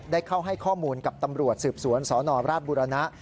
ได้เข้าให้ข้อมูลกับตำรวจสืบสวนสนราชบุรณะ